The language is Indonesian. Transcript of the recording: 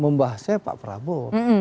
membahasnya pak prabowo